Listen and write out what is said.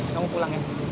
kamu pulang ya